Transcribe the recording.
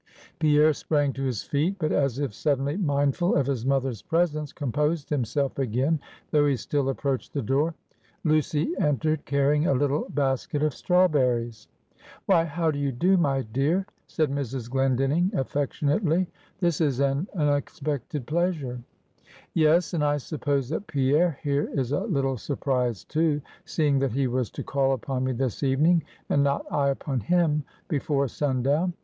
Pierre sprang to his feet; but as if suddenly mindful of his mother's presence, composed himself again, though he still approached the door. Lucy entered, carrying a little basket of strawberries. "Why, how do you do, my dear," said Mrs. Glendinning affectionately. "This is an unexpected pleasure." "Yes; and I suppose that Pierre here is a little surprised too; seeing that he was to call upon me this evening, and not I upon him before sundown.